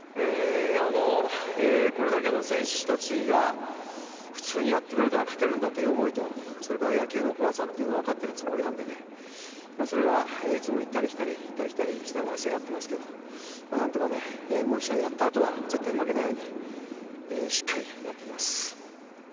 これだけの選手たちが普通にやってくれたら勝てるんだという思いとそれから野球の怖さは分かっているつもりなのでそれがいつも行ったり来たりしながら試合をやっていますけど何とかもう１試合やったあとは絶対負けないようにしっかりやっていきます。